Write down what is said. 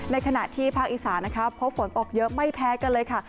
ในขณะที่ภาคอีสานนะคะพบฝนตกเยอะไม่แพ้กันเลยค่ะ